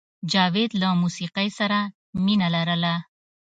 جاوید له موسیقۍ سره مینه لرله